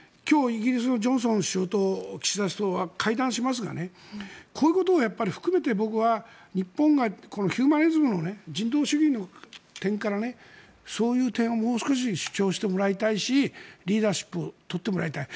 イギリスのジョンソン首相と岸田首相は会談しますがこういうことを含めて僕は日本がヒューマニズムの人道主義の点から、そういう点をもう少し主張してもらいたいしリーダーシップを取ってもらいたい。